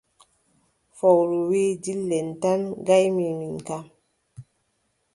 Fowru wii: dile tan ngaymi min kam!